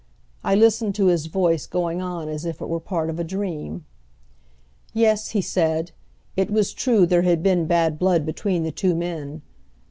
I listened to his voice going on as if it were part of a dream. Yes, he said, it was true there had been bad blood between the two men.